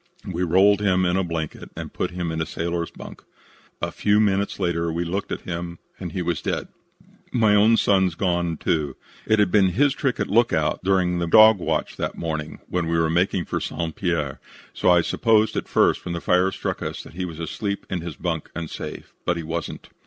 We rolled him in a blanket and put him in a sailor's bunk. A few minutes later we looked at him and he was dead. "My own son's gone, too. It had been his trick at lookout ahead during the dog watch that morning, when we were making for St. Pierre, so I supposed at first when the fire struck us that he was asleep in his bunk and safe. But he wasn't.